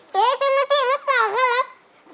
เดี๋ยวจะมาจีนรักษาครับ